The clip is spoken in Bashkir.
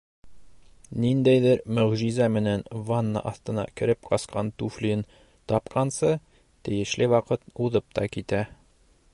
Ниндәйҙер мөғжизә менән ванна аҫтына «кереп ҡасҡан» туфлиен тапҡансы, тейешле ваҡыт уҙып та китә.